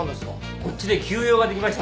こっちで急用ができまして。